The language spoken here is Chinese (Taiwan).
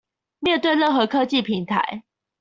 面對任何科技平台